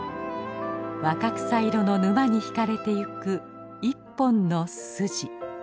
若草色の沼に引かれていく一本の筋。